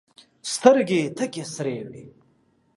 سترګي یې تکي سرې وې !